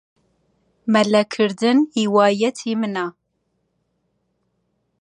مەلەکردن هیوایەتی منە.